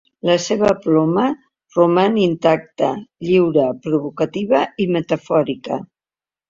La seva ploma roman intacta, lliure, provocativa i metafòrica.